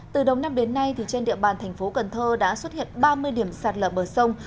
từ đầu năm đến nay trên địa bàn thành phố cần thơ đã xuất hiện ba mươi điểm sạt lở bờ sông